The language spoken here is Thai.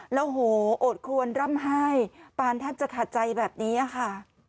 แล้วโหโอดครวนร่ำไห้ปานแทบจะขาดใจแบบนี้ค่ะ